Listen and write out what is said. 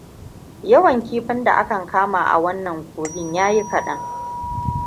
Yawan kifin da akan kama a wannan kohin yayi kadan.